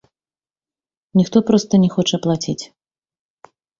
Ніхто проста не хоча плаціць.